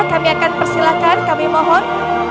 kami akan persilahkan kami mohon